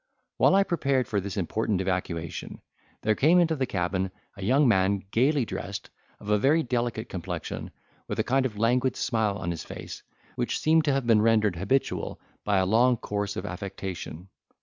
While I prepared for this important evacuation, there came into the cabin a young man gaily dressed, of a very delicate complexion with a kind of languid smile on his face: which seemed to have been rendered habitual by a long course of affectation.